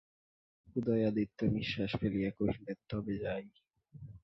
উদয়াদিত্য নিশ্বাস ফেলিয়া কহিলেন, তবে যাই।